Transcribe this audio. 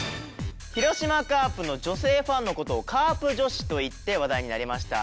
広島カープの女性ファンの事をカープ女子といって話題になりました。